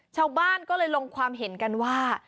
ชาวบ้านก็เลยลงความเห็นกันว่า